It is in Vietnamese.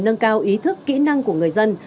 nâng cao ý thức kỹ năng của người dân